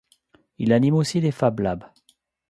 Il anime aussi des fab labs.